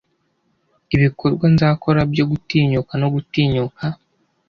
Ibikorwa nzakora byo gutinyuka no gutinyuka